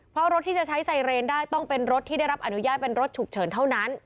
เพราะรถที่จะใช้ไซเรนได้ต้องเป็นรถที่ได้รับอนุญาตเป็นรถฉุกเฉินเท่านั้น